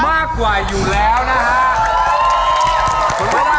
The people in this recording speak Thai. มากกว่าอยู่แล้วนะฮะ